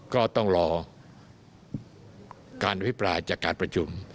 ก็ต้องรอการอภิปรายจากการประชุม